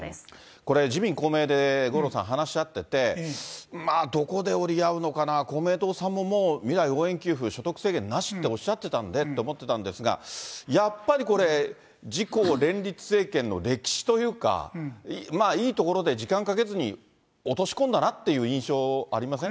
これ、自民、公明で、五郎さん、話し合ってて、どこで折り合うのかな、公明党さんも未来応援給付、所得制限なしっておっしゃってたんでって思ってたんですが、やっぱりこれ、自公連立政権の歴史というか、いいところで時間かけずに落とし込んだなっていう印象ありません？